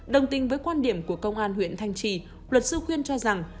đồng tình với quan điểm của công an huyện thanh trì luật sư khuyên cho rằng